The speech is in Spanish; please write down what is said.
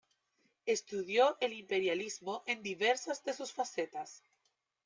Estudió el imperialismo en diversas de sus facetas.